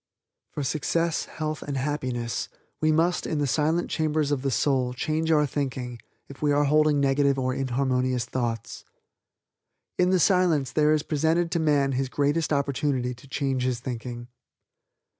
For success, health and happiness we must in the silent chambers of the soul change our thinking if we are holding negative or inharmonious thoughts. In the Silence there is presented to man his greatest opportunity to change his thinking.